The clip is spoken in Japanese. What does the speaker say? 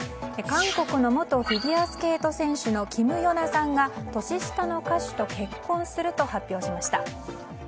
韓国の元フィギュアスケート選手のキム・ヨナさんが年下の歌手と結婚すると発表しました。